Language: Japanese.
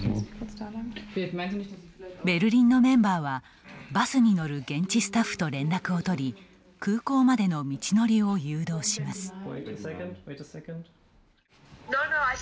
ベルリンのメンバーはバスに乗る現地スタッフと連絡を取り空港までの道のりを誘導します。